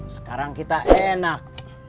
sekarang kita enak